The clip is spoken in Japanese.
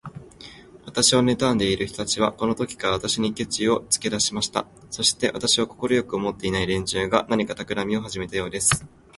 私をねたんでいる人たちは、このときから、私にケチをつけだしました。そして、私を快く思っていない連中が、何かたくらみをはじめたようです。